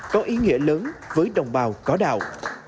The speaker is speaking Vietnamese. có ý nghĩa lớn với đồng bào có đạo